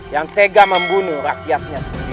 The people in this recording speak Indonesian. yang tega membunuh rakyatnya sendiri